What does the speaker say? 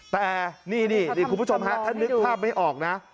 แต่นี่คุณผู้ชมฮะถ้านึกภาพไม่ออกนะ